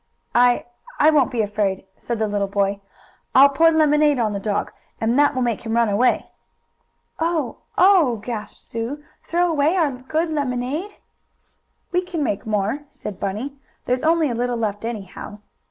"I I won't be afraid," said the little boy. "I I'll pour lemonade on the dog, and that will make him run away." "Oh Oh!" gasped Sue. "Throw away our good lemonade?" "We can make more," said Bunny. "There's only a little left, anyhow."